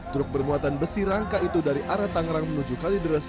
truk bermuatan besi rangka itu dari arah tangerang menuju kalideres